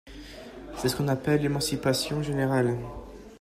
C’est ce qu’on appelle l’émancipation générale.